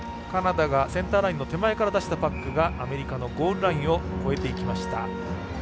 カナダがセンターラインの手前から出したパックがアメリカのゴールラインを越えていきました。